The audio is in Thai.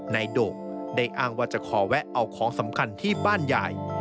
โดกได้อ้างว่าจะขอแวะเอาของสำคัญที่บ้านใหญ่